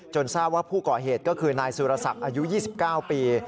ทราบว่าผู้ก่อเหตุก็คือนายสุรศักดิ์อายุ๒๙ปี